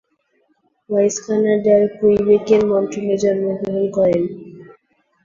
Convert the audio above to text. Wise কানাডার কুইবেকের মন্ট্রিলে জন্মগ্রহণ করেন।